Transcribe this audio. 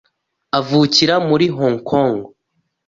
avukira muri Hong Kong